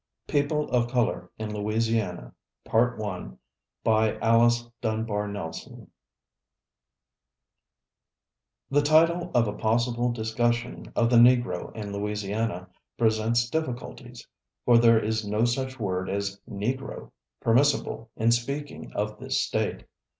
PEOPLE OF COLOR IN LOUISIANA PART I The title of a possible discussion of the Negro in Louisiana presents difficulties, for there is no such word as Negro permissible in speaking of this State.